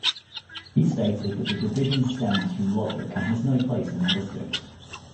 He stated that the division stems from logic and has no place in linguistics.